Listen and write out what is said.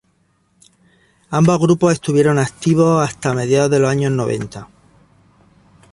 Ambos grupos estuvieron activos hasta mediados de los años noventa.